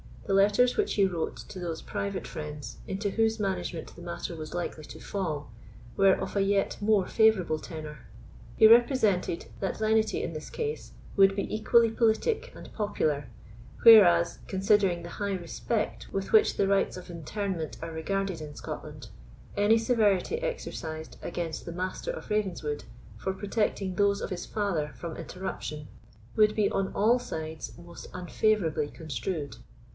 The letters which he wrote to those private friends into whose management the matter was likely to fall were of a yet more favourable tenor. He represented that lenity in this case would be equally politic and popular, whereas, considering the high respect with which the rites of interment are regarded in Scotland, any severity exercised against the Master of Ravenswood for protecting those of his father from interruption, would be on all sides most unfavourably construed.